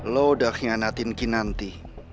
lo udah kianatin kinanti